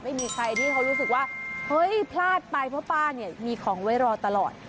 ไม่มีใครที่เขารู้สึกว่าเฮ้ยพลาดไปเพราะป้าเนี่ยมีของไว้รอตลอด